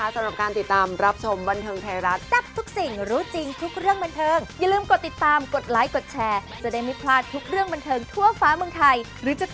สาธุสาธุสาธุ